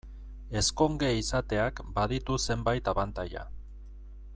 Ezkonge izateak baditu zenbait abantaila.